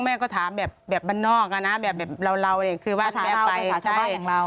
แม่ก็ถามแบบแบบบ้านนอกอะนะแบบแบบเราเนี่ยคือว่าแม่ไปประสาทธาบาลของเรา